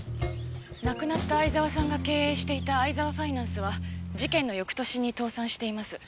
亡くなった逢沢さんが経営していた逢沢ファイナンスは事件の翌年に倒産しています。